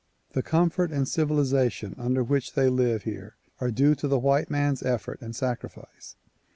The comfort and civilization under which they live here are due to the white man's effort and sacrifice.